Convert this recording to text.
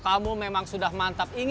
kampus sumt escaping